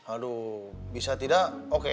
aduh bisa tidak oke